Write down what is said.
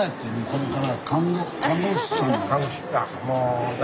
これから看護師さんなんや。